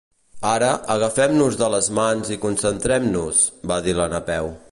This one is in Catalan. Ara, agafem-nos de les mans i concentrem-nos —va dir la Napeu—.